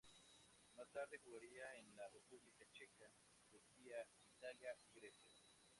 Más tarde, jugaría en la República Checa, Turquía, Italia y Grecia.